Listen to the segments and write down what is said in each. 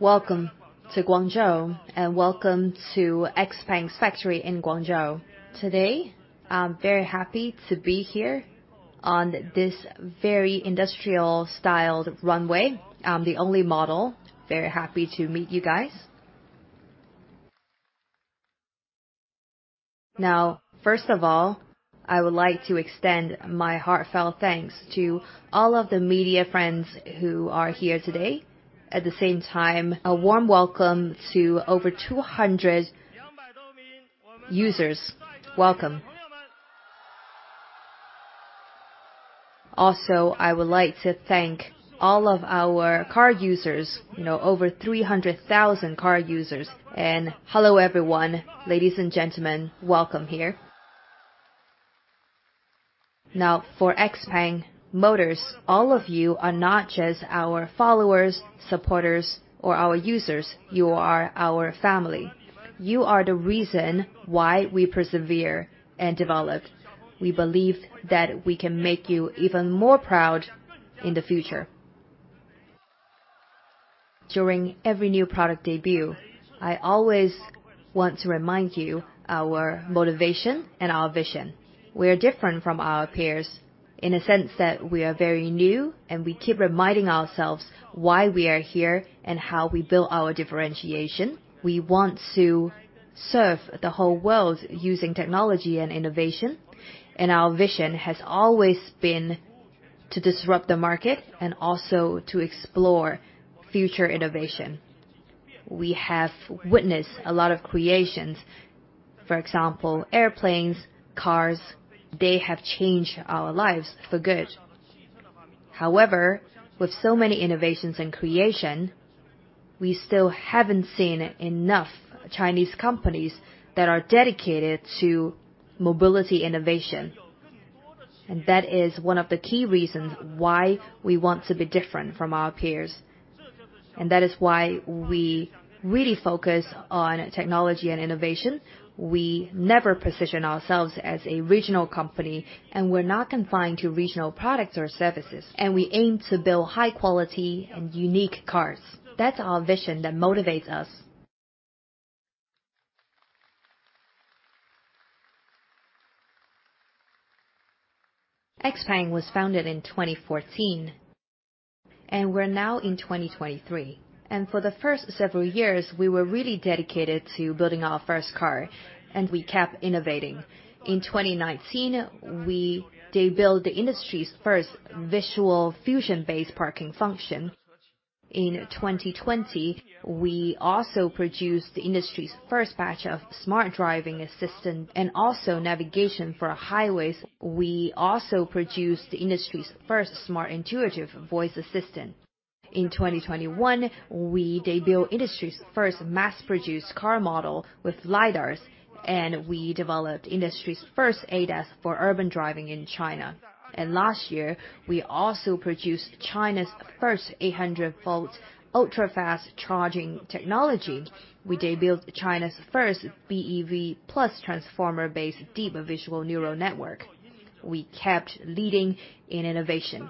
Welcome to Guangzhou. Welcome to XPeng's factory in Guangzhou. Today, I'm very happy to be here on this very industrial-styled runway. I'm the only model. Very happy to meet you guys. First of all, I would like to extend my heartfelt thanks to all of the media friends who are here today. At the same time, a warm welcome to over 200 users. Welcome. I would like to thank all of our car users, you know, over 300,000 car users. Hello, everyone. Ladies and gentlemen, welcome here. For XPeng Motors, all of you are not just our followers, supporters or our users, you are our family. You are the reason why we persevere and develop. We believe that we can make you even more proud in the future. During every new product debut, I always want to remind you our motivation and our vision. We are different from our peers in a sense that we are very new, and we keep reminding ourselves why we are here and how we build our differentiation. We want to serve the whole world using technology and innovation, our vision has always been to disrupt the market and also to explore future innovation. We have witnessed a lot of creations, for example, airplanes, cars, they have changed our lives for good. However, with so many innovations and creation, we still haven't seen enough Chinese companies that are dedicated to mobility innovation, and that is one of the key reasons why we want to be different from our peers. That is why we really focus on technology and innovation. We never position ourselves as a regional company. We're not confined to regional products or services. We aim to build high quality and unique cars. That's our vision that motivates us. XPeng was founded in 2014. We're now in 2023. For the first several years, we were really dedicated to building our first car. We kept innovating. In 2019, we debuted the industry's first visual fusion-based parking function. In 2020, we also produced the industry's first batch of smart driving assistant. Also navigation for highways. We also produced the industry's first smart intuitive voice assistant. In 2021, we debuted industry's first mass-produced car model with LiDARs. We developed industry's first ADAS for urban driving in China. Last year, we also produced China's first 800V ultra-fast charging technology. We debuted China's first BEV+Transformer-based deep visual neural network. We kept leading in innovation.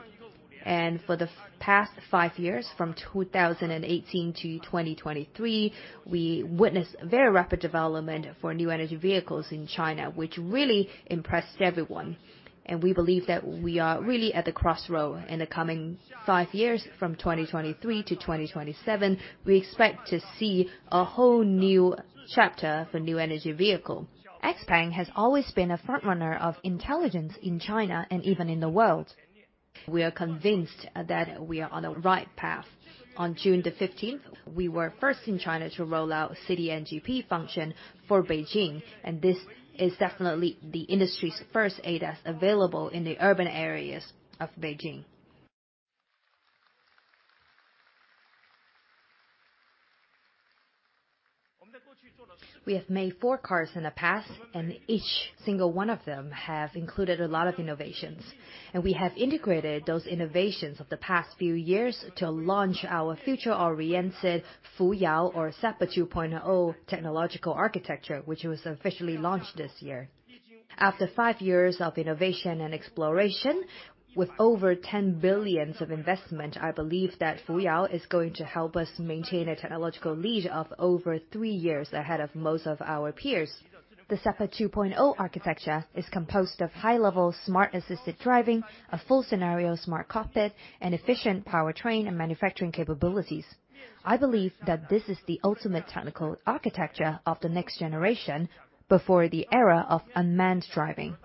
For the past five years, from 2018 to 2023, we witnessed very rapid development for new energy vehicles in China, which really impressed everyone, and we believe that we are really at the crossroad. In the coming five years, from 2023 to 2027, we expect to see a whole new chapter for new energy vehicle. XPeng has always been a front runner of intelligence in China, and even in the world. We are convinced that we are on the right path. On June the 15th, we were first in China to roll out City NGP function for Beijing, this is definitely the industry's first ADAS available in the urban areas of Beijing. We have made four cars in the past, and each single one of them have included a lot of innovations, and we have integrated those innovations of the past few years to launch our future-oriented Fuyao or SEPA 2.0 technological architecture, which was officially launched this year. After five years of innovation and exploration, with over 10 billion of investment, I believe that Fuyao is going to help us maintain a technological lead of over three years ahead of most of our peers. The SEPA 2.0 architecture is composed of high-level smart assisted driving, a full scenario smart cockpit, and efficient powertrain and manufacturing capabilities. I believe that this is the ultimate technical architecture of the next generation before the era of unmanned driving.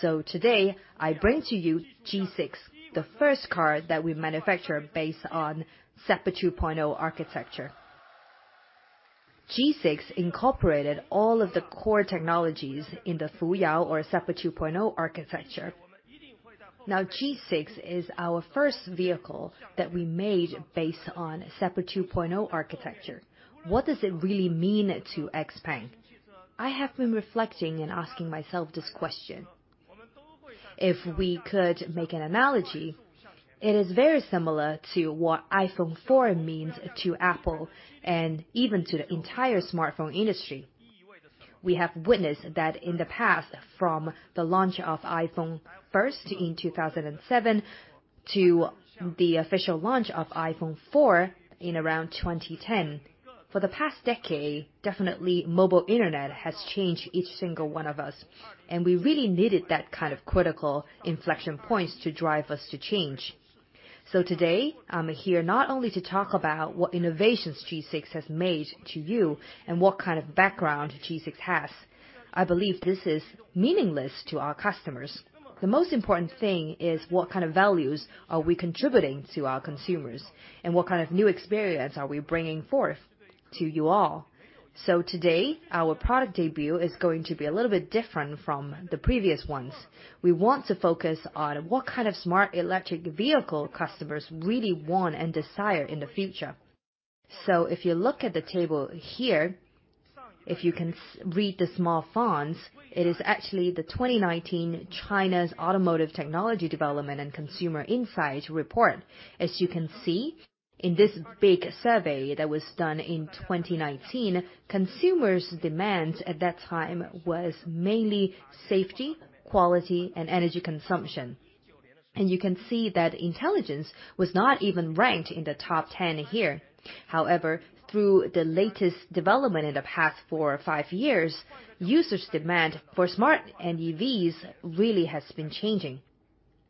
Today, I bring to you G6, the first car that we manufacture based on SEPA 2.0 architecture. G6 incorporated all of the core technologies in the Fuyao or SEPA 2.0 architecture. G6 is our first vehicle that we made based on SEPA 2.0 architecture. What does it really mean to XPeng? I have been reflecting and asking myself this question. If we could make an analogy, it is very similar to what iPhone 4 means to Apple and even to the entire smartphone industry. We have witnessed that in the past, from the launch of iPhone first in 2007 to the official launch of iPhone 4 in around 2010. For the past decade, definitely, mobile internet has changed each single one of us, and we really needed that kind of critical inflection points to drive us to change. Today, I'm here not only to talk about what innovations G6 has made to you and what kind of background G6 has. I believe this is meaningless to our customers. The most important thing is what kind of values are we contributing to our consumers, and what kind of new experience are we bringing forth to you all? Today, our product debut is going to be a little bit different from the previous ones. We want to focus on what kind of smart electric vehicle customers really want and desire in the future. If you look at the table here, if you can read the small fonts, it is actually the 2019 China's Automotive Technology Development and Consumer Insight Report. As you can see, in this big survey that was done in 2019, consumers' demands at that time was mainly safety, quality, and energy consumption. You can see that intelligence was not even ranked in the top 10 here. Through the latest development in the past four or five years, users' demand for smart NEVs really has been changing.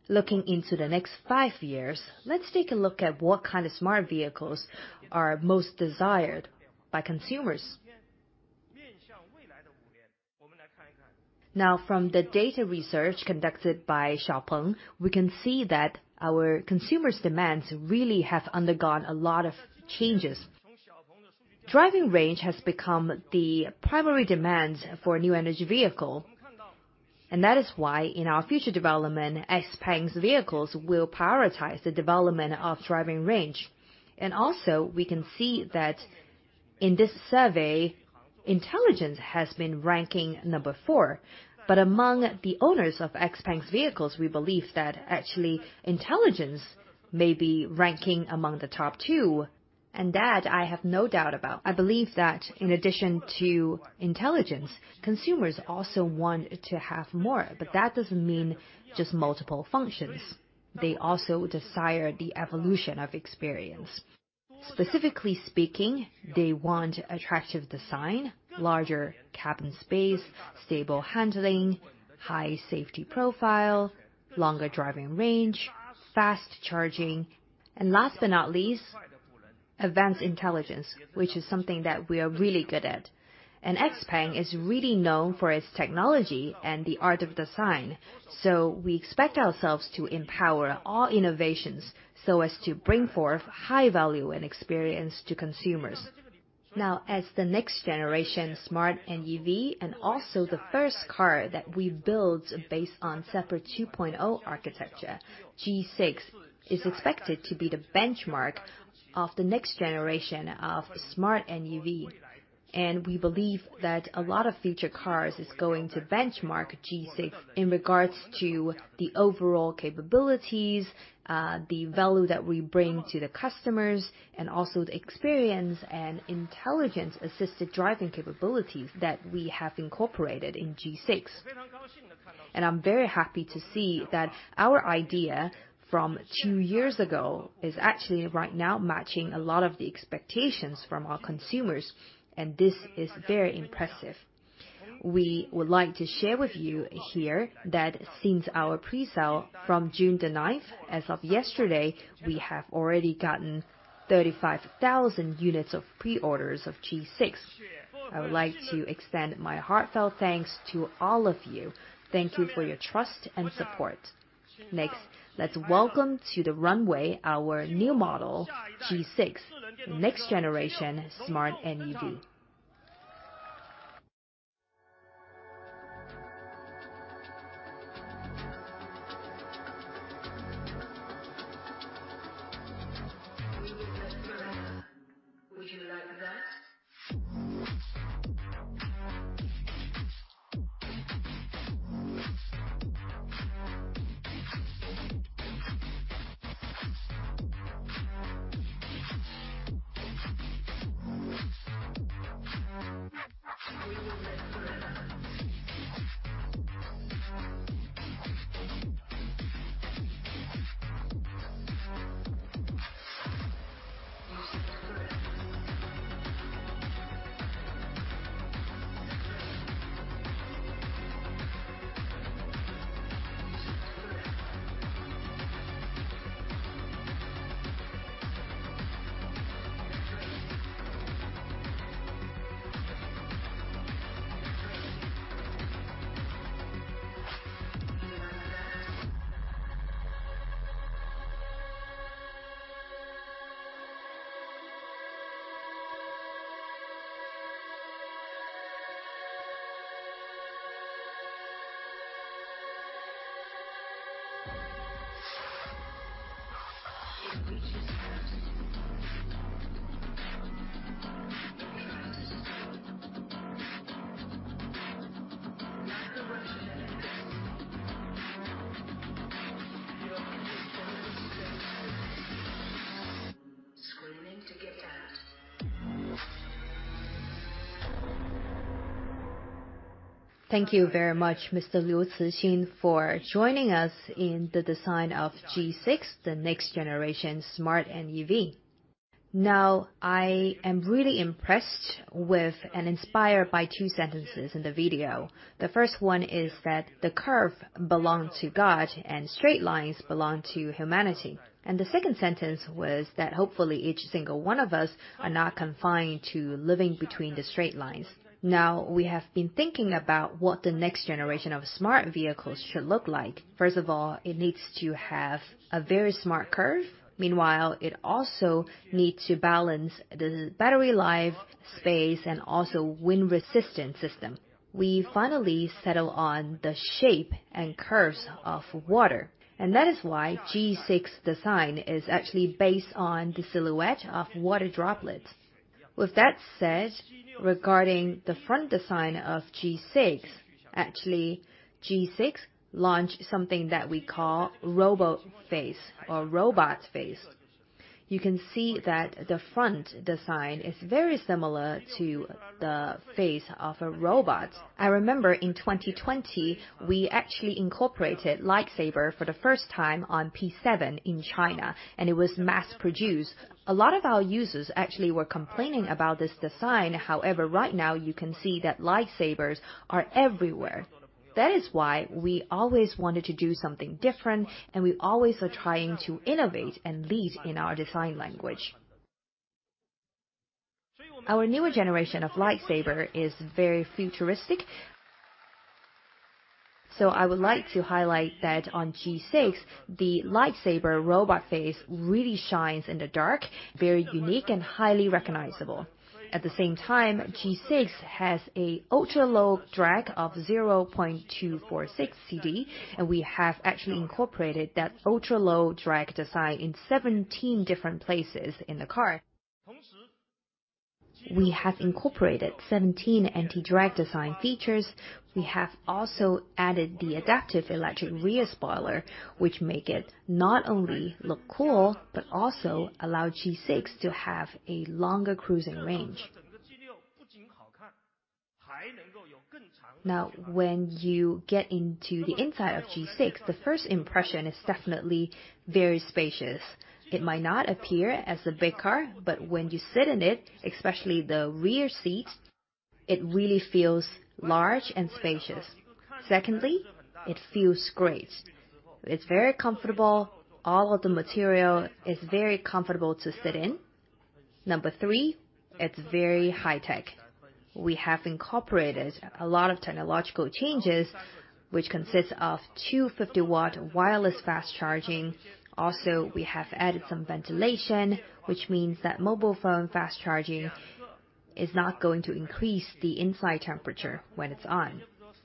Looking into the next five years, let's take a look at what kind of smart vehicles are most desired by consumers. From the data research conducted by XPeng, we can see that our consumers' demands really have undergone a lot of changes. Driving range has become the primary demand for new energy vehicle, and that is why, in our future development, XPeng's vehicles will prioritize the development of driving range. We can see that in this survey, intelligence has been ranking number four, but among the owners of XPeng's vehicles, we believe that actually, intelligence may be ranking among the top 2. That I have no doubt about. I believe that in addition to intelligence, consumers also want to have more, but that doesn't mean just multiple functions. They also desire the evolution of experience. Specifically speaking, they want attractive design, larger cabin space, stable handling, high safety profile, longer driving range, fast charging, and last but not least, advanced intelligence, which is something that we are really good at. XPeng is really known for its technology and the art of design, so we expect ourselves to empower all innovations so as to bring forth high value and experience to consumers. Now, as the next-generation smart NEV, and also the first car that we built based on SEPA 2.0 architecture, G6 is expected to be the benchmark of the next generation of smart NEV. We believe that a lot of future cars is going to benchmark G6 in regards to the overall capabilities, the value that we bring to the customers, and also the experience and intelligence-assisted driving capabilities that we have incorporated in G6. I'm very happy to see that our idea from two years ago is actually right now matching a lot of the expectations from our consumers, and this is very impressive. We would like to share with you here that since our presale from June the 9th, as of yesterday, we have already gotten 35,000 units of pre-orders of G6. I would like to extend my heartfelt thanks to all of you. Thank you for your trust and support. Next, let's welcome to the runway our new model, G6, the next-generation smart NEV. Thank you very much, Mr. Liu Cixin, for joining us in the design of G6, the next generation smart NEV. I am really impressed with, and inspired by two sentences in the video. The first one is that, "The curve belong to God, and straight lines belong to humanity." The second sentence was that, "Hopefully, each single one of us are not confined to living between the straight lines." We have been thinking about what the next generation of smart vehicles should look like. First of all, it needs to have a very smart curve. Meanwhile, it also need to balance the battery life, space, and also wind resistance system. We finally settle on the shape and curves of water, and that is why G6 design is actually based on the silhouette of water droplets. With that said, regarding the front design of G6, actually, G6 launched something that we call Robot Face or Robot Face. You can see that the front design is very similar to the face of a robot. I remember in 2020, we actually incorporated Lightsaber for the first time on P7 in China, and it was mass produced. A lot of our users actually were complaining about this design. Right now you can see that Lightsabers are everywhere. That is why we always wanted to do something different, and we always are trying to innovate and lead in our design language. Our newer generation of Lightsaber is very futuristic. I would like to highlight that on G6, the Lightsaber Robot Face really shines in the dark, very unique and highly recognizable. At the same time, G6 has a ultra-low drag of 0.246 CD, and we have actually incorporated that ultra-low drag design in 17 different places in the car. We have incorporated 17 anti-drag design features. We have also added the adaptive electric rear spoiler, which make it not only look cool, but also allow G6 to have a longer cruising range. Now, when you get into the inside of G6, the first impression is definitely very spacious. It might not appear as a big car, but when you sit in it, especially the rear seat, it really feels large and spacious. Secondly, it feels great. It's very comfortable. All of the material is very comfortable to sit in. Number three, it's very high tech. We have incorporated a lot of technological changes, which consists of 250 W wireless fast charging. Also, we have added some ventilation, which means that mobile phone fast charging is not going to increase the inside temperature when it's on.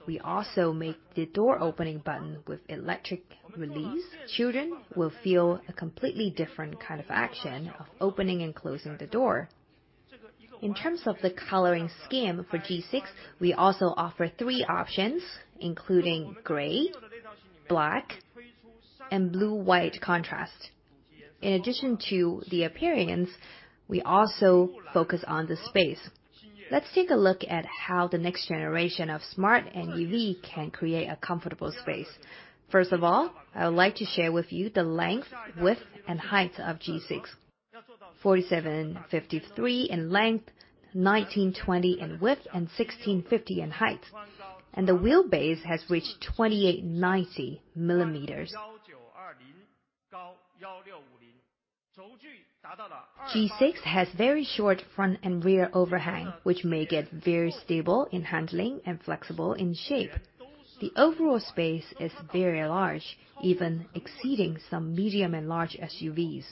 We also make the door opening button with electric release. Children will feel a completely different kind of action of opening and closing the door. In terms of the coloring scheme for G6, we also offer three options, including gray, black, and blue-white contrast. In addition to the appearance, we also focus on the space. Let's take a look at how the next generation of smart NEV can create a comfortable space. First of all, I would like to share with you the length, width, and height of G6: 4,753 in length, 1,920 in width, and 1,650 in height, and the wheelbase has reached 2,890 mm. G6 has very short front and rear overhang, which make it very stable in handling and flexible in shape. The overall space is very large, even exceeding some medium and large SUVs.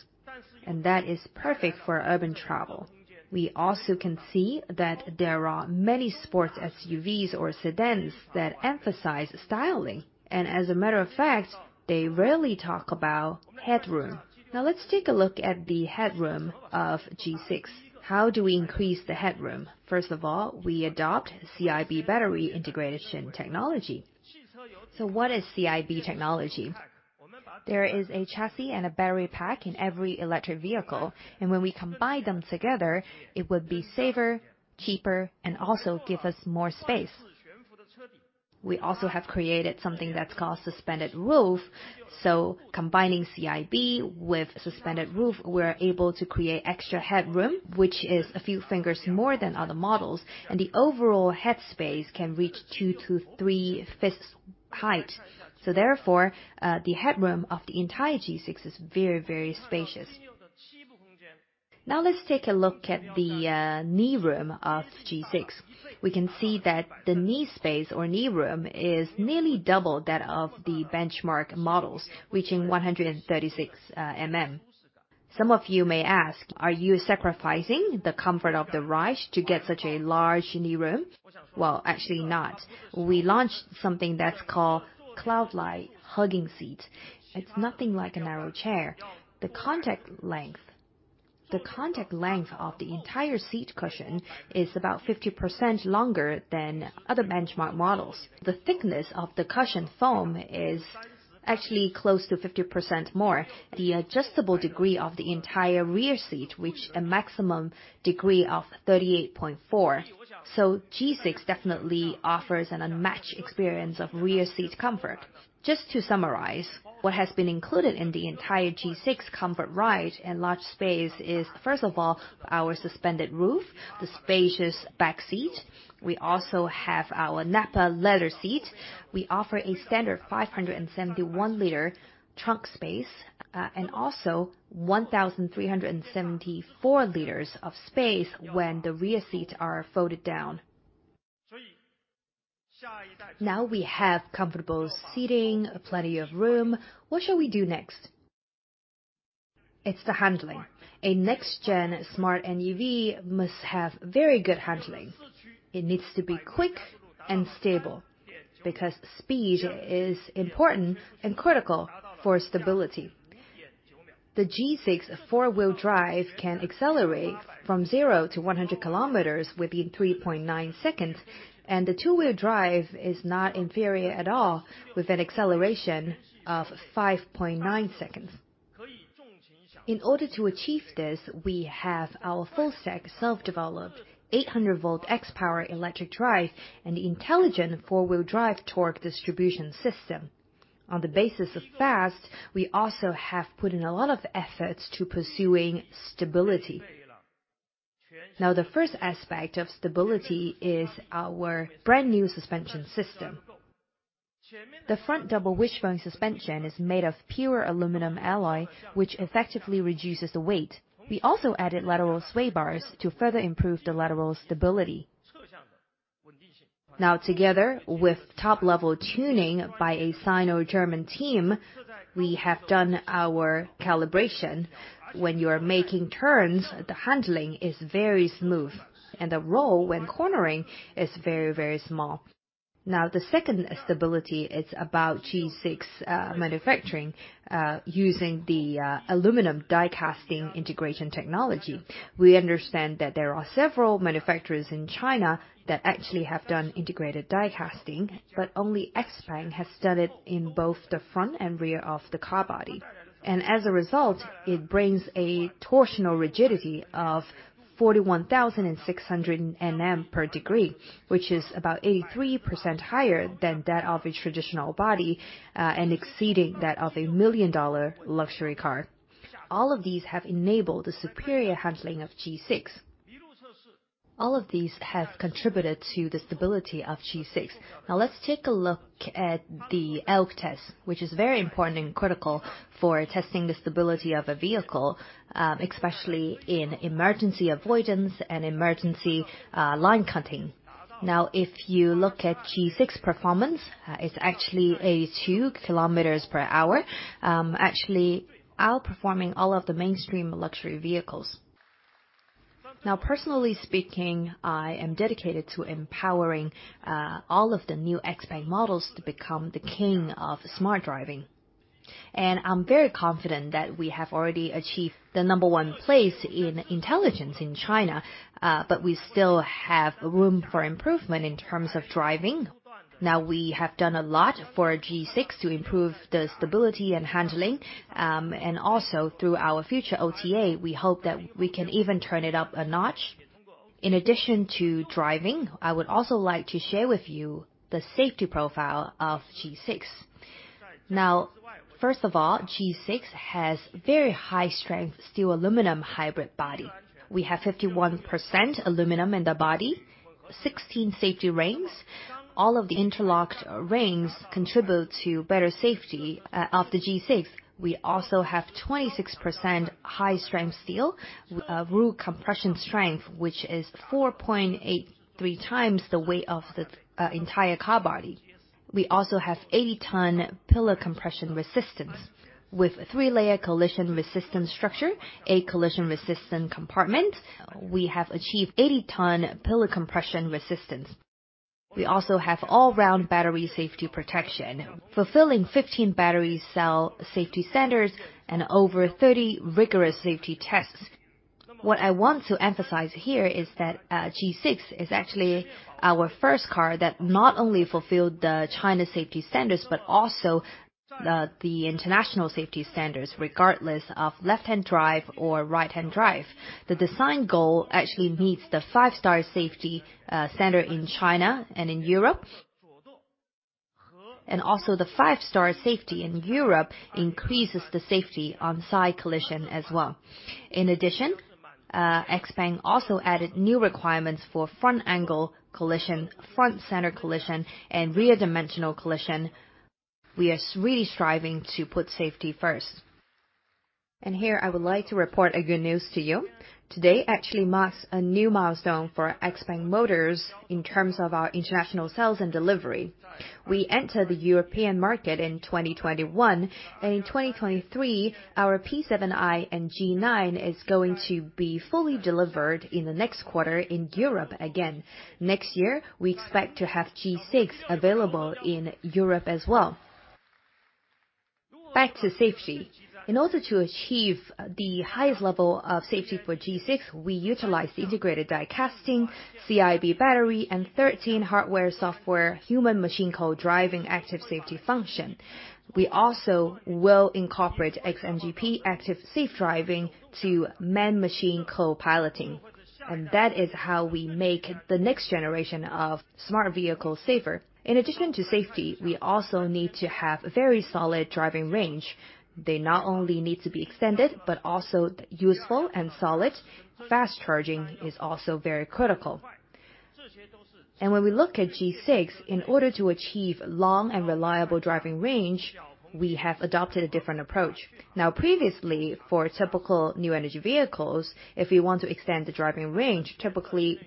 That is perfect for urban travel. We also can see that there are many sports SUVs or sedans that emphasize styling. As a matter of fact, they rarely talk about headroom. Let's take a look at the headroom of G6. How do we increase the headroom? First of all, we adopt CIB battery integration technology. What is CIB technology? There is a chassis and a battery pack in every electric vehicle. When we combine them together, it would be safer, cheaper, and also give us more space. We also have created something that's called suspended roof. Combining CIB with suspended roof, we're able to create extra headroom, which is a few fingers more than other models, and the overall head space can reach two to three fists height. Therefore, the headroom of the entire G6 is very spacious. Now, let's take a look at the knee room of G6. We can see that the knee space or knee room is nearly double that of the benchmark models, reaching 136 mm. Some of you may ask: Are you sacrificing the comfort of the ride to get such a large knee room? Well, actually not. We launched something that's called Cloudli hugging seat. It's nothing like a narrow chair. The contact length of the entire seat cushion is about 50% longer than other benchmark models. The thickness of the cushion foam... Actually close to 50% more. The adjustable degree of the entire rear seat reached a maximum degree of 38.4. G6 definitely offers an unmatched experience of rear seat comfort. Just to summarize, what has been included in the entire G6 comfort ride and large space is, first of all, our suspended roof, the spacious back seat. We also have our Nappa leather seat. We offer a standard 571 L trunk space, and also 1,374 L of space when the rear seats are folded down. We have comfortable seating, plenty of room. What shall we do next? It's the handling. A next-gen smart NEV must have very good handling. It needs to be quick and stable, because speed is important and critical for stability. The G6 four-wheel drive can accelerate from 0 to 100 km within 3.9 seconds, and the two-wheel drive is not inferior at all, with an acceleration of 5.9 seconds. In order to achieve this, we have our full stack, self-developed, 800 volt XPower electric drive and intelligent four-wheel drive torque distribution system. On the basis of fast, we also have put in a lot of efforts to pursuing stability. The first aspect of stability is our brand-new suspension system. The front double wishbone suspension is made of pure aluminum alloy, which effectively reduces the weight. We also added lateral sway bars to further improve the lateral stability. Together with top-level tuning by a Sino-German team, we have done our calibration. When you are making turns, the handling is very smooth, and the roll when cornering is very, very small. The second stability is about G6 manufacturing using the aluminum die casting integration technology. We understand that there are several manufacturers in China that actually have done integrated die casting, but only XPeng has done it in both the front and rear of the car body. As a result, it brings a torsional rigidity of 41,600 Nm per degree, which is about 83% higher than that of a traditional body, and exceeding that of a million-dollar luxury car. All of these have enabled the superior handling of G6. All of these have contributed to the stability of G6. Let's take a look at the elk test, which is very important and critical for testing the stability of a vehicle, especially in emergency avoidance and emergency line cutting. If you look at G6 performance, it's actually 82 km/h, actually outperforming all of the mainstream luxury vehicles. Personally speaking, I am dedicated to empowering all of the new XPeng models to become the king of smart driving. I'm very confident that we have already achieved the number one place in intelligence in China, but we still have room for improvement in terms of driving. We have done a lot for G6 to improve the stability and handling, and also through our future OTA, we hope that we can even turn it up a notch. In addition to driving, I would also like to share with you the safety profile of G6. First of all, G6 has very high strength, steel, aluminum, hybrid body. We have 51% aluminum in the body, 16 safety rings. All of the interlocked rings contribute to better safety of the G-safe. We also have 26% high-strength steel roof compression strength, which is 4.83 times the weight of the entire car body. We also have 80 ton pillar compression resistance. With three-layer collision resistance structure, a collision-resistant compartment, we have achieved 80 ton pillar compression resistance. We also have all-round battery safety protection, fulfilling 15 battery cell safety standards and over 30 rigorous safety tests. What I want to emphasize here is that G6 is actually our first car that not only fulfilled the China safety standards, but also the international safety standards, regardless of left-hand drive or right-hand drive. The design goal actually meets the five-star safety standard in China and in Europe. The five-star safety in Europe increases the safety on side collision as well. In addition, XPeng also added new requirements for front angle collision, front center collision, and rear dimensional collision. We are really striving to put safety first. Here I would like to report a good news to you. Today actually marks a new milestone for XPeng Motors in terms of our international sales and delivery. We entered the European market in 2021, and in 2023, our P7i and G9 is going to be fully delivered in the next quarter in Europe again. Next year, we expect to have G6 available in Europe as well. Back to safety. In order to achieve the highest level of safety for G6, we utilize the integrated die casting, CIB battery, and 13 hardware, software, human machine co-driving active safety function. We also will incorporate XNGP active safe driving to man-machine co-piloting. That is how we make the next generation of smart vehicles safer. In addition to safety, we also need to have very solid driving range. They not only need to be extended, but also useful and solid. Fast charging is also very critical. When we look at G6, in order to achieve long and reliable driving range, we have adopted a different approach. Now, previously, for typical new energy vehicles, if you want to extend the driving range, typically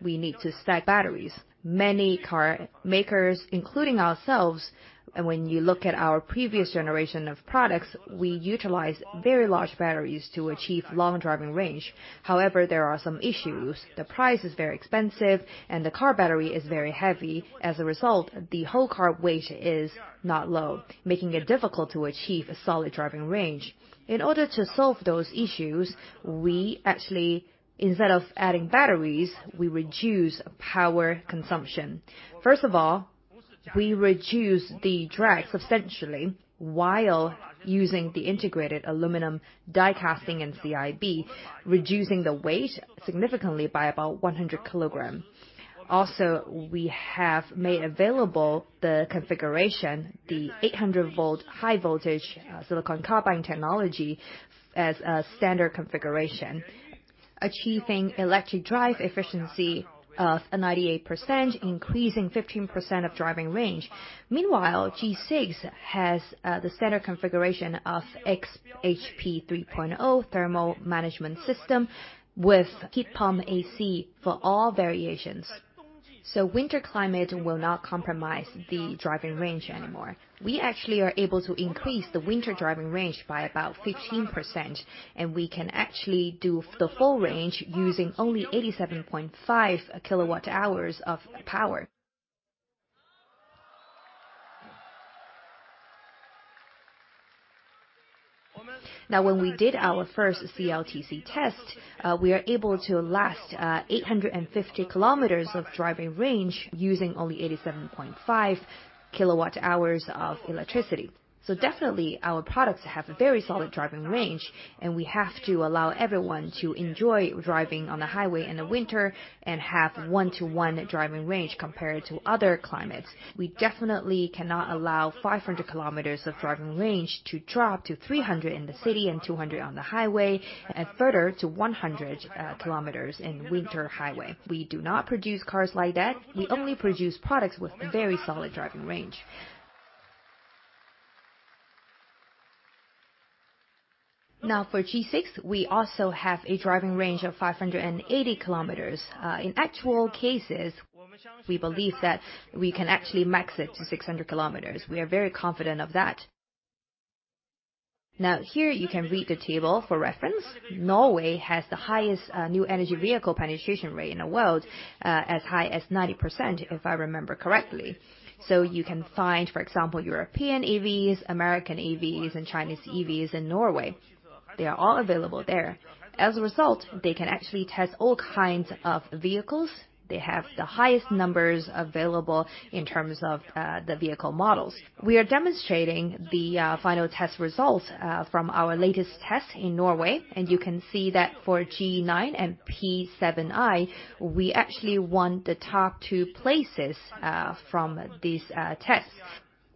we need to stack batteries. Many car makers, including ourselves, and when you look at our previous generation of products, we utilize very large batteries to achieve long driving range. However, there are some issues. The price is very expensive and the car battery is very heavy. The whole car weight is not low, making it difficult to achieve a solid driving range. In order to solve those issues, we actually, instead of adding batteries, we reduce power consumption. First of all, we reduce the drag substantially while using the integrated aluminum die casting and CIB, reducing the weight significantly by about 100 km. We have made available the configuration, the 800V high voltage silicon carbide technology as a standard configuration, achieving electric drive efficiency of 98%, increasing 15% of driving range. G6 has the standard configuration of XHP 3.0 thermal management system with heat pump AC for all variations, winter climate will not compromise the driving range anymore. We actually are able to increase the winter driving range by about 15%. We can actually do the full range using only 87.5 kWh of power. Now, when we did our first CLTC test, we are able to last 850 km of driving range, using only 87.5 kWh of electricity. Definitely, our products have a very solid driving range, and we have to allow everyone to enjoy driving on the highway in the winter, and have 1-to-1 driving range compared to other climates. We definitely cannot allow 500 km of driving range to drop to 300 in the city and 200 on the highway, and further to 100 km in winter highway. We do not produce cars like that. We only produce products with very solid driving range. For G6, we also have a driving range of 580 km. In actual cases, we believe that we can actually max it to 600 km. We are very confident of that. Here you can read the table for reference. Norway has the highest new energy vehicle penetration rate in the world, as high as 90%, if I remember correctly. You can find, for example, European EVs, American EVs, and Chinese EVs in Norway. They are all available there. As a result, they can actually test all kinds of vehicles. They have the highest numbers available in terms of the vehicle models. We are demonstrating the final test results from our latest test in Norway, and you can see that for G9 and P7i, we actually won the top two places from these tests.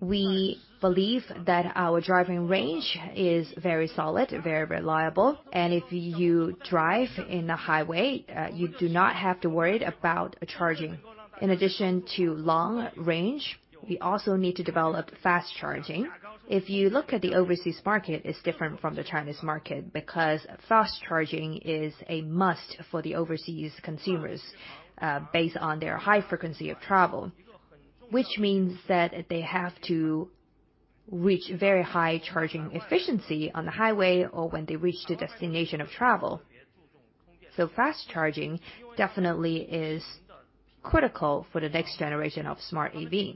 We believe that our driving range is very solid, very reliable, and if you drive in a highway, you do not have to worry about charging. In addition to long range, we also need to develop fast charging. If you look at the overseas market, it's different from the Chinese market, because fast charging is a must for the overseas consumers, based on their high frequency of travel, which means that they have to reach very high charging efficiency on the highway or when they reach the destination of travel. Fast charging definitely is critical for the next generation of smart EV.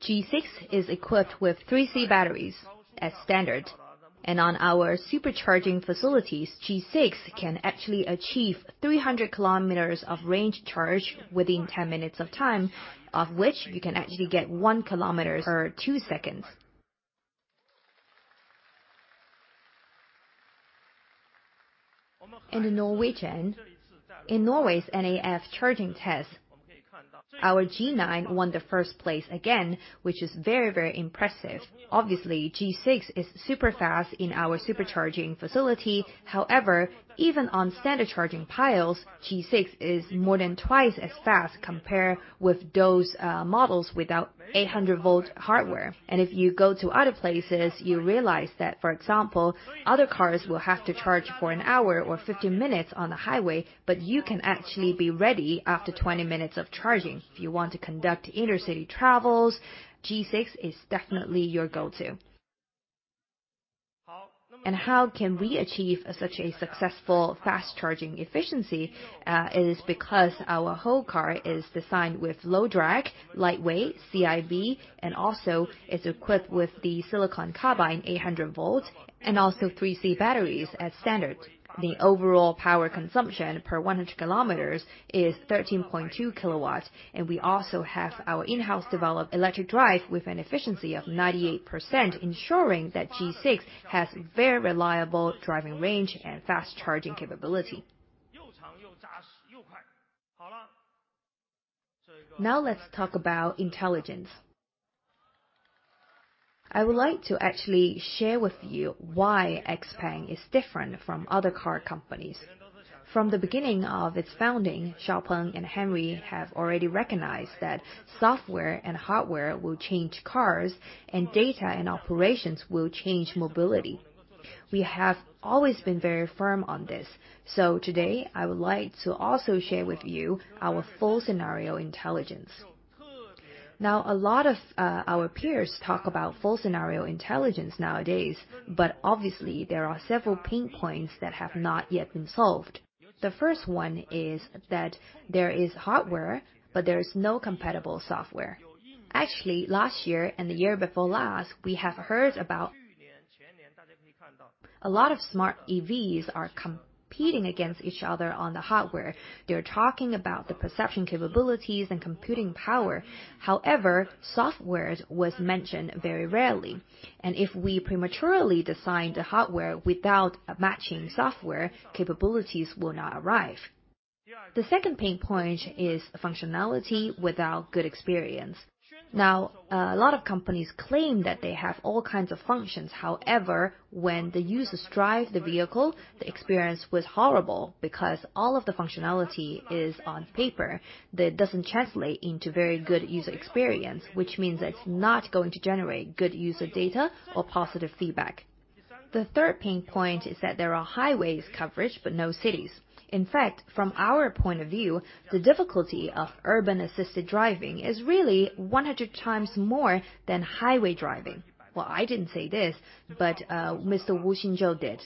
G6 is equipped with 3 degree Celsius batteries as standard, and on our supercharging facilities, G6 can actually achieve 300 km of range charge within 10 minutes of time, of which you can actually get 1 km or 2 seconds. In Norway's NAF charging test, our G9 won the first place again, which is very, very impressive. Obviously, G6 is super fast in our supercharging facility. However, even on standard charging piles, G6 is more than twice as fast compared with those models without 800V hardware. If you go to other places, you realize that, for example, other cars will have to charge for an hour or 50 minutes on the highway, but you can actually be ready after 20 minutes of charging. If you want to conduct intercity travels, G6 is definitely your go-to. How can we achieve such a successful fast-charging efficiency? It is because our whole car is designed with low drag, lightweight, CIB, and also it's equipped with the silicon carbide 800 V, and also 3 degree Celsius batteries as standard. The overall power consumption per 100 km is 13.2 kW, and we also have our in-house developed electric drive with an efficiency of 98%, ensuring that G6 has very reliable driving range and fast charging capability. Let's talk about intelligence. I would like to actually share with you why XPeng is different from other car companies. From the beginning of its founding, Xiaopeng and Henry have already recognized that software and hardware will change cars, and data and operations will change mobility. We have always been very firm on this. Today, I would like to also share with you our full scenario intelligence. A lot of our peers talk about full scenario intelligence nowadays, but obviously there are several pain points that have not yet been solved. The first one is that there is hardware, but there is no compatible software. Actually, last year and the year before last, we have heard about a lot of smart EVs are competing against each other on the hardware. They're talking about the perception, capabilities, and computing power. However, softwares was mentioned very rarely, and if we prematurely design the hardware without a matching software, capabilities will not arrive. The second pain point is functionality without good experience. Now, a lot of companies claim that they have all kinds of functions. However, when the users drive the vehicle, the experience was horrible because all of the functionality is on paper, that doesn't translate into very good user experience, which means that it's not going to generate good user data or positive feedback. The third pain point is that there are highways coverage but no cities. In fact, from our point of view, the difficulty of urban assisted driving is really 100 times more than highway driving. Well, I didn't say this, but Mr. Wu Xinzhou did.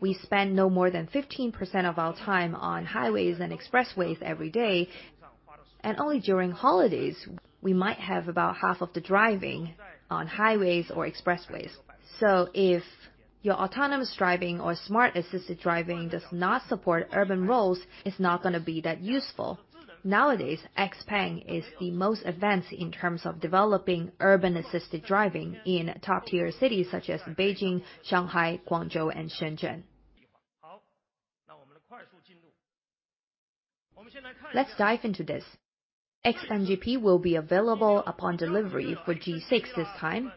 We spend no more than 15% of our time on highways and expressways every day, and only during holidays, we might have about half of the driving on highways or expressways. If your autonomous driving or smart assisted driving does not support urban roads, it's not gonna be that useful. Nowadays, XPeng is the most advanced in terms of developing urban assisted driving in top-tier cities such as Beijing, Shanghai, Guangzhou, and Shenzhen. Let's dive into this. XNGP will be available upon delivery for G6 this time.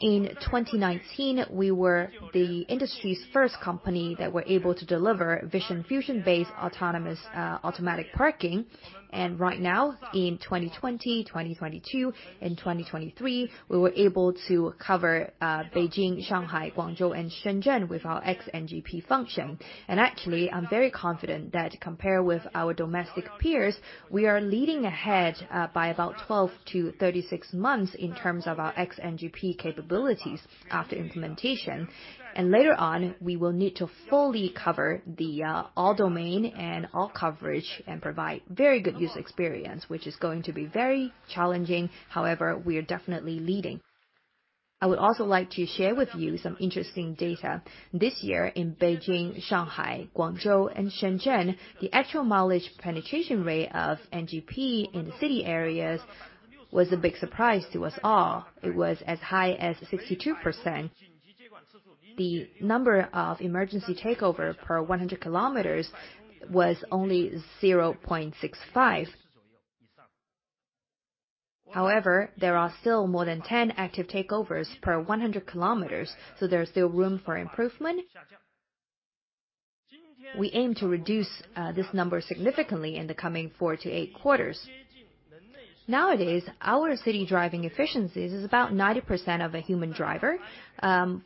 In 2019, we were the industry's first company that were able to deliver vision fusion-based, autonomous, automatic parking. Right now, in 2020, 2022, in 2023, we were able to cover Beijing, Shanghai, Guangzhou, and Shenzhen with our XNGP function. Actually, I'm very confident that compared with our domestic peers, we are leading ahead by about 12-36 months in terms of our XNGP capabilities after implementation. Later on, we will need to fully cover the all domain and all coverage, and provide very good user experience, which is going to be very challenging. However, we are definitely leading. I would also like to share with you some interesting data. This year in Beijing, Shanghai, Guangzhou, and Shenzhen, the actual mileage penetration rate of NGP in the city areas was a big surprise to us all. It was as high as 62%. The number of emergency takeover per 100 km was only 0.65. There are still more than 10 active takeovers per 100 km, there is still room for improvement. We aim to reduce this number significantly in the coming four to eight quarters. Nowadays, our city driving efficiencies is about 90% of a human driver.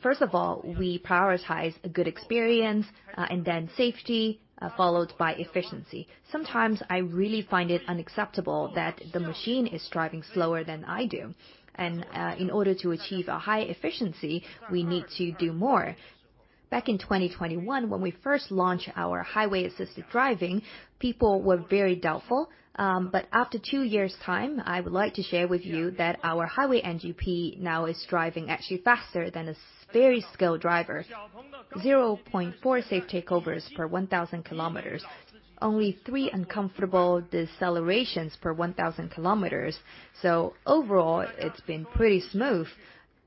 First of all, we prioritize a good experience, then safety, followed by efficiency. Sometimes I really find it unacceptable that the machine is driving slower than I do, in order to achieve a high efficiency, we need to do more. Back in 2021, when we first launched our highway assisted driving, people were very doubtful. After two years' time, I would like to share with you that our Highway NGP now is driving actually faster than a very skilled driver. 0.4 safe takeovers per 1,000 km, only three uncomfortable decelerations per 1,000 km. Overall, it's been pretty smooth.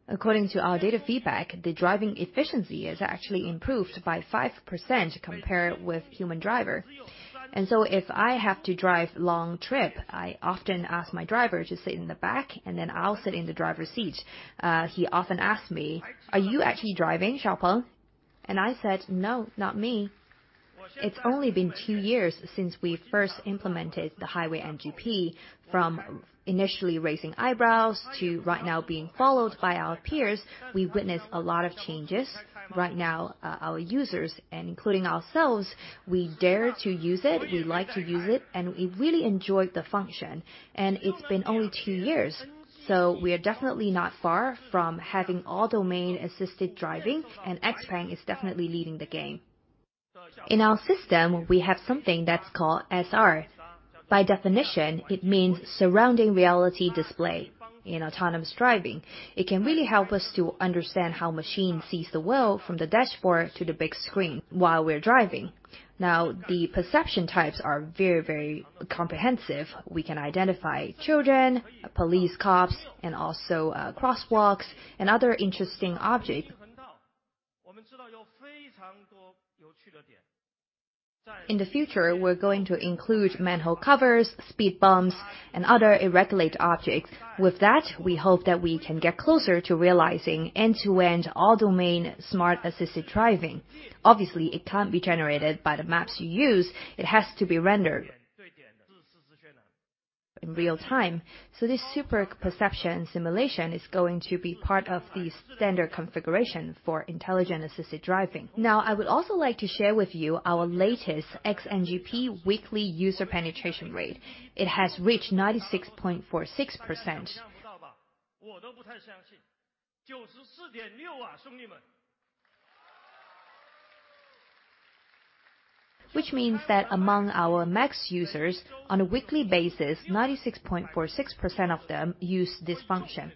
According to our data feedback, the driving efficiency is actually improved by 5% compared with human driver. If I have to drive long trip, I often ask my driver to sit in the back, and then I'll sit in the driver's seat. He often asks me, "Are you actually driving, Xiaopeng?" I said, "No, not me." It's only been two years since we first implemented the Highway NGP. From initially raising eyebrows to right now being followed by our peers, we've witnessed a lot of changes. Right now, our users and including ourselves, we dare to use it, we like to use it, and we really enjoyed the function. It's been only two years, so we are definitely not far from having all domain assisted driving, XPeng is definitely leading the game. In our system, we have something that's called SR. By definition, it means surrounding reality display in autonomous driving. It can really help us to understand how machine sees the world from the dashboard to the big screen while we're driving. The perception types are very, very comprehensive. We can identify children, police cops, and also crosswalks, and other interesting objects. In the future, we're going to include manhole covers, speed bumps, and other irregular objects. With that, we hope that we can get closer to realizing end-to-end all domain smart assisted driving. Obviously, it can't be generated by the maps you use. It has to be rendered in real time. This super perception simulation is going to be part of the standard configuration for intelligent assisted driving. I would also like to share with you our latest XNGP weekly user penetration rate. It has reached 96.46%. Which means that among our Max users on a weekly basis, 96.46% of them use this function.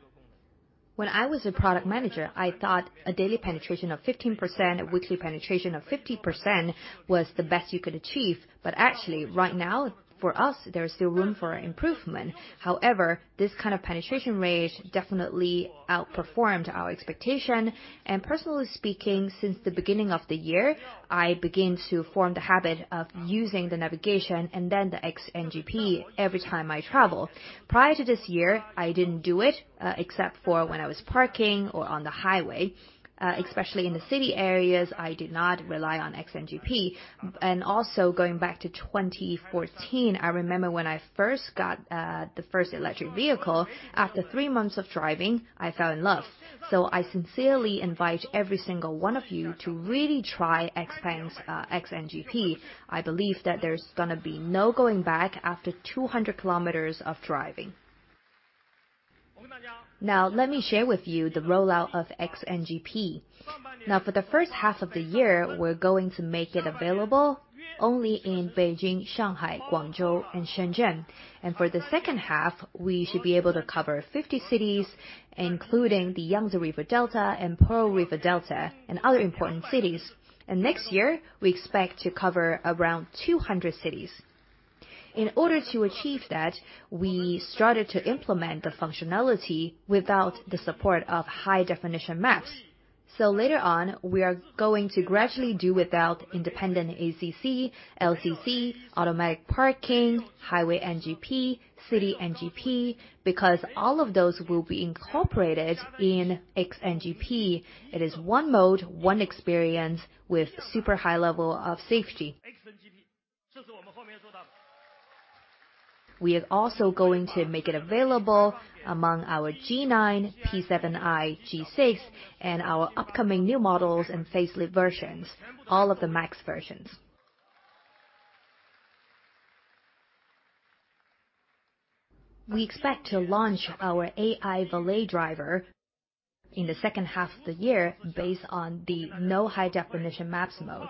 When I was a product manager, I thought a daily penetration of 15%, a weekly penetration of 50% was the best you could achieve. Actually, right now, for us, there is still room for improvement. This kind of penetration rate definitely outperformed our expectation, personally speaking, since the beginning of the year, I began to form the habit of using the navigation and then the XNGP every time I travel. Prior to this year, I didn't do it, except for when I was parking or on the highway, especially in the city areas, I did not rely on XNGP. Going back to 2014, I remember when I first got, the first electric vehicle, after three months of driving, I fell in love. I sincerely invite every single one of you to really try XPeng's XNGP. I believe that there's gonna be no going back after 200 km of driving. Let me share with you the rollout of XNGP. For the first half of the year, we're going to make it available only in Beijing, Shanghai, Guangzhou, and Shenzhen. For the second half, we should be able to cover 50 cities, including the Yangtze River Delta and Pearl River Delta, and other important cities. Next year, we expect to cover around 200 cities. In order to achieve that, we started to implement the functionality without the support of high-definition maps. Later on, we are going to gradually do without independent ACC, LCC, automatic parking, Highway NGP, City NGP, because all of those will be incorporated in XNGP. It is one mode, one experience, with super high level of safety. We are also going to make it available among our G9, P7i, G6, and our upcoming new models and facelift versions, all of the Max versions. We expect to launch our AI Valet Driver in the second half of the year based on the no high-definition maps mode.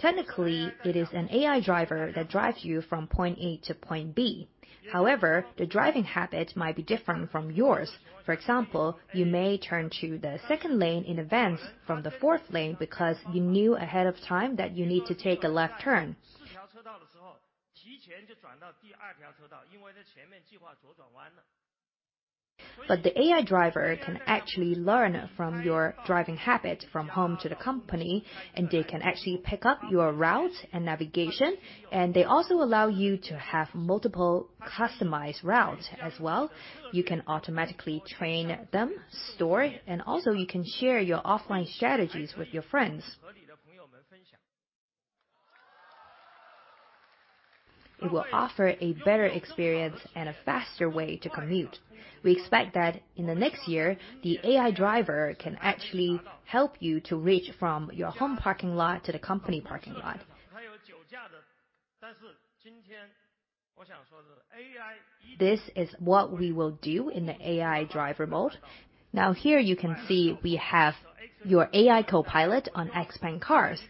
Technically, it is an AI driver that drives you from point A to point B. However, the driving habit might be different from yours. For example, you may turn to the second lane in advance from the fourth lane because you knew ahead of time that you need to take a left turn. The AI Driver can actually learn from your driving habit from home to the company, and they can actually pick up your route and navigation, and they also allow you to have multiple customized routes as well. You can automatically train them, store, and also you can share your offline strategies with your friends. It will offer a better experience and a faster way to commute. We expect that in the next year, the AI Driver can actually help you to reach from your home parking lot to the company parking lot. This is what we will do in the AI Driver mode. Here you can see we have your AI Copilot on XPeng cars.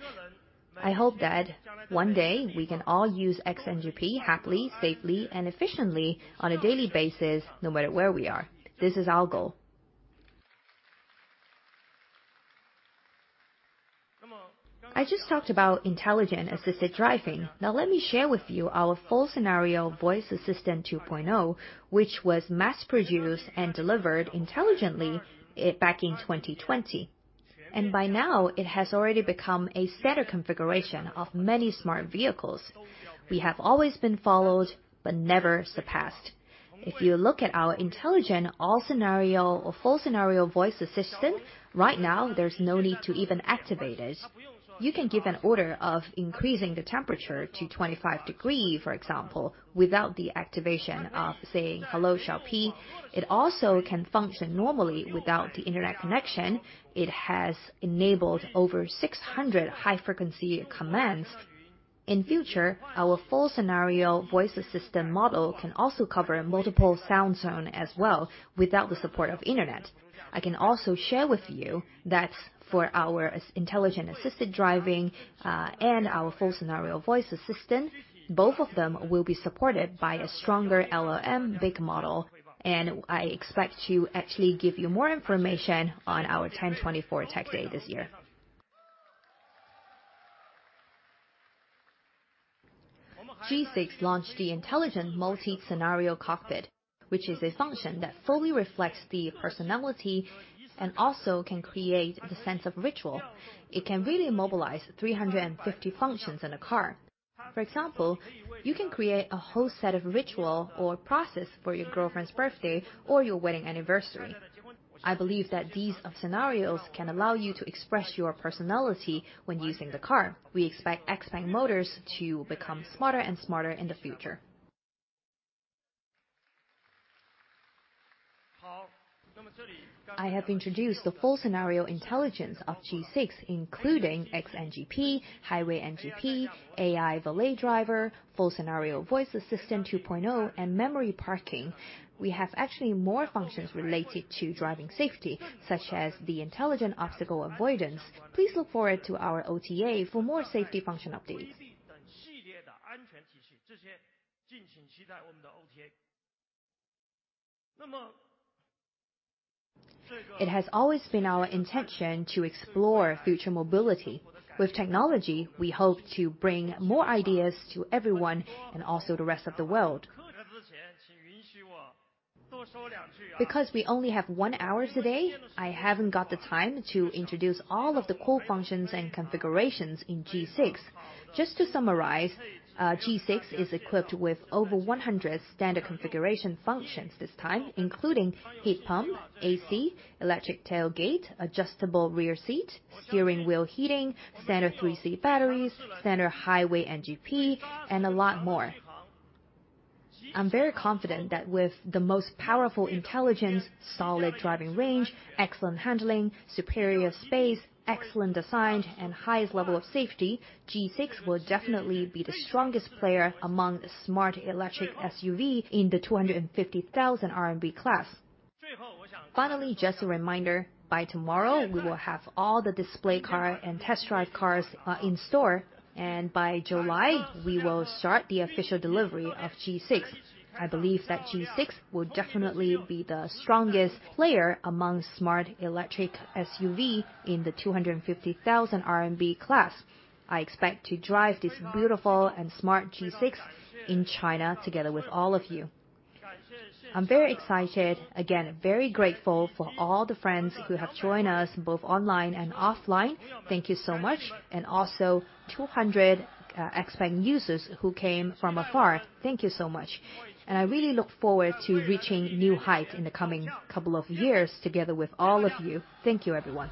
I hope that one day we can all use XNGP happily, safely, and efficiently on a daily basis, no matter where we are. This is our goal. I just talked about intelligent assisted driving. Now, let me share with you our Full Scenario Voice Assistant 2.0, which was mass-produced and delivered intelligently, back in 2020. By now, it has already become a standard configuration of many smart vehicles. We have always been followed, but never surpassed. If you look at our intelligent all-scenario or full-scenario voice assistant, right now, there's no need to even activate it. You can give an order of increasing the temperature to 25 degrees, for example, without the activation of saying, "Hello, Xiao P" It also can function normally without the internet connection. It has enabled over 600 high-frequency commands. In future, our Full Scenario Voice Assistant model can also cover multiple sound zone as well without the support of internet. I can also share with you that for our intelligent assisted driving, and our Full Scenario Voice Assistant, both of them will be supported by a stronger LLM big model, and I expect to actually give you more information on our 1024 Tech Day this year. G6 launched the intelligent multi-scenario cockpit, which is a function that fully reflects the personality and also can create the sense of ritual. It can really mobilize 350 functions in a car. For example, you can create a whole set of ritual or process for your girlfriend's birthday or your wedding anniversary. I believe that these scenarios can allow you to express your personality when using the car. We expect XPeng Motors to become smarter and smarter in the future. I have introduced the full scenario intelligence of G6, including XNGP, Highway NGP, AI Valet Driver, Full Scenario Voice Assistant 2.0, and Memory Parking. We have actually more functions related to driving safety, such as the intelligent obstacle avoidance. Please look forward to our OTA for more safety function update. It has always been our intention to explore future mobility. With technology, we hope to bring more ideas to everyone and also the rest of the world. Because we only have 1 hour today, I haven't got the time to introduce all of the core functions and configurations in G6. Just to summarize, G6 is equipped with over 100 standard configuration functions this time, including heat pump, AC, electric tailgate, adjustable rear seat, steering wheel heating, standard 3C batteries, standard Highway NGP, and a lot more. I'm very confident that with the most powerful intelligence, solid driving range, excellent handling, superior space, excellent design, and highest level of safety, G6 will definitely be the strongest player among the smart electric SUV in the 250,000 RMB class. Just a reminder, by tomorrow, we will have all the display car and test drive cars in store, and by July, we will start the official delivery of G6. I believe that G6 will definitely be the strongest player among smart electric SUV in the 250,000 RMB class. I expect to drive this beautiful and smart G6 in China together with all of you. I'm very excited. Again, very grateful for all the friends who have joined us, both online and offline. Thank you so much, and also 200 XPeng users who came from afar. Thank you so much. I really look forward to reaching new heights in the coming couple of years together with all of you. Thank you, everyone.